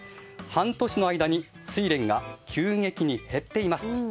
半年の間にスイレンが急激に減っています。